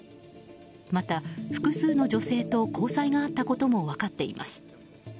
また、複数の女性と交際があったことも分かっています。